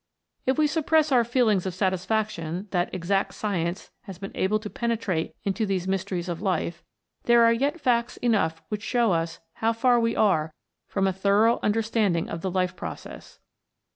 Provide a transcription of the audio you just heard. If we suppress our feelings of satisfaction that Exact Science has been able to penetrate into these mysteries of life, there are 122 CATALYSIS AND THE ENZYMES yet facts enough which show us how far we are from a thorough understanding of the life process.